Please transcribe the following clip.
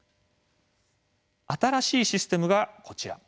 新しいシステムが、こちら。